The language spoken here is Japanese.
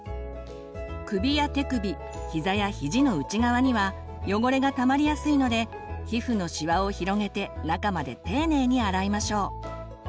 首や手首ひざやひじの内側には汚れがたまりやすいので皮膚のシワを広げて中まで丁寧に洗いましょう。